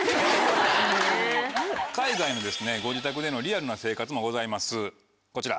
海外のご自宅でのリアルな生活もございますこちら。